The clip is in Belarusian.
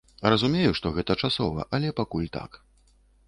Разумею, што гэта часова, але пакуль так.